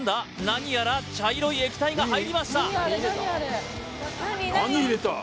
何やら茶色い液体が入りました